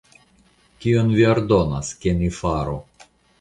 Kion vi ordonas, ke ni faru?